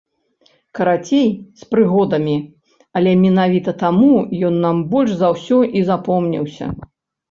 Карацей, з прыгодамі, але менавіта таму ён нам больш за ўсё і запомніўся.